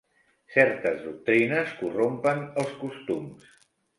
Certes doctrines corrompen els costums.